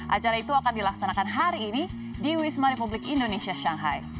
acara itu akan dilaksanakan hari ini di wisma republik indonesia shanghai